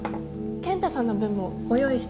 健太さんの分もご用意してますわ。